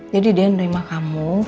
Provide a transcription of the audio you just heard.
jadi dia yang nerima kamu